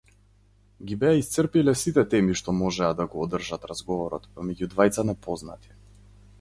Ги беа исцрпиле сите теми што можеа да го одржат разговорот помеѓу двајца непознати.